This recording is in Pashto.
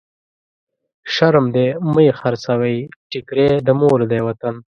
شرم دی مه يې خرڅوی، ټکری د مور دی وطن.